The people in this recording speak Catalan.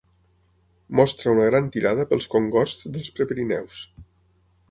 Mostra una gran tirada pels congosts dels Prepirineus.